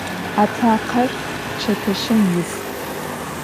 Atakher çeteşım yis.